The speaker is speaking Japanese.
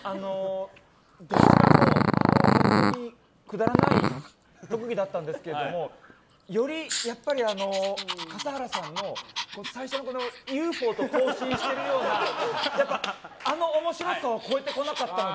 どちらも本当に、くだらない特技だったんですけれどもよりやっぱり笠原さんの最初のＵＦＯと交信しているようなあの面白さを超えてこなかったので。